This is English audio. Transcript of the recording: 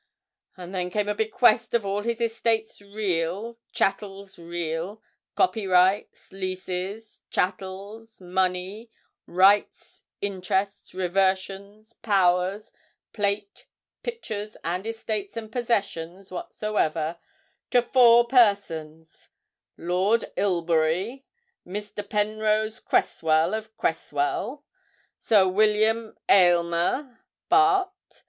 and then came a bequest of all his estates real, chattels real, copyrights, leases, chattels, money, rights, interests, reversions, powers, plate, pictures, and estates and possessions whatsoever, to four persons Lord Ilbury, Mr. Penrose Creswell of Creswell, Sir William Aylmer, Bart.